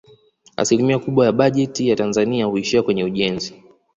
Asilimia kubwa ya bajeti ya Tanzania huishia kwenye ujenzi